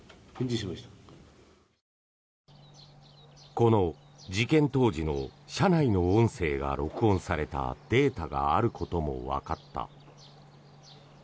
この事件当時の車内の音声が録音されたデータがあることもわかった。